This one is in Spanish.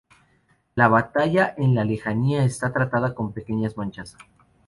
La batalla en la lejanía está tratada con pequeñas manchas.